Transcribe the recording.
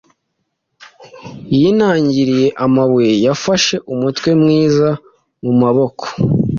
yinangiye amabuye; Yafashe umutwe mwiza mu maboko;